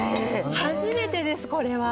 初めてです、これは。